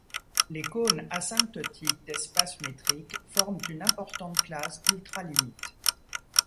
Les cônes asymptotiques d'espaces métriques forment une importante classe d'ultralimites.